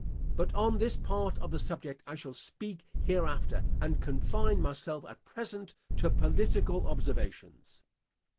But on this part of the subject I shall speak hereafter, and confine myself at present to political observations.